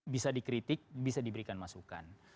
bisa dikritik bisa diberikan masukan